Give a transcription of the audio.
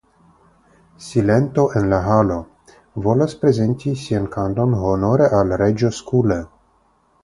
Silento en la Halo; volas prezenti sian kanton honore al reĝo Skule.